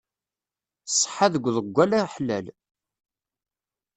Ṣṣeḥa deg uḍeggal aḥlal.